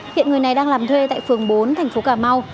hiện người này đang làm thuê tại phường bốn tp cà mau